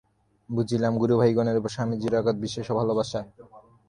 বুঝিলাম, গুরুভাইগণের উপর স্বামীজীর অগাধ বিশ্বাস ও ভালবাসা।